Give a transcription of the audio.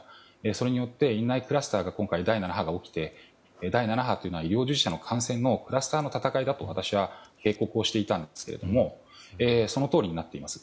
それによって院内クラスターが今回、第７波が起きて第７波というのは医療従事者のクラスターの闘いだというのを私は警告をしていたんですがそのとおりになっています。